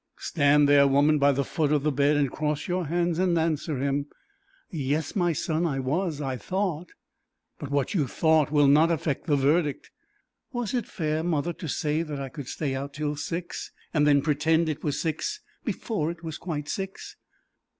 Stand there, woman, by the foot of the bed and cross your hands and answer him. "Yes, my son, I was. I thought " But what you thought will not affect the verdict. "Was it fair, mother, to say that I could stay out till six, and then pretend it was six before it was quite six?"